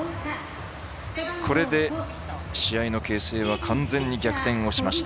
これで試合のけん制は完全に逆転しました。